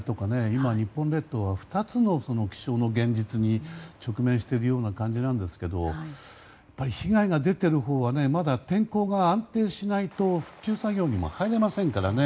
今、日本列島が２つの気象の現実に直面しているような感じなんですけど被害が出てるほうはまだ天候が安定しないと復旧作業にも入れませんからね。